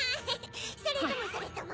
それともそれとも。